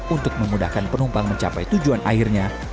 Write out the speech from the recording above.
untuk memudahkan penumpang mencapai tujuan akhirnya